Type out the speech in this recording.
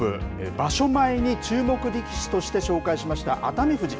場所前に注目力士として紹介しました熱海富士。